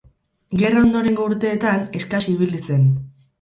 Gerra ondorengo urteetan eskas ibili zen.